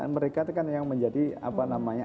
mereka itu kan yang menjadi apa namanya